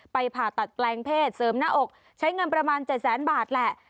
ผ่าตัดแปลงเพศเสริมหน้าอกใช้เงินประมาณ๗แสนบาทแหละ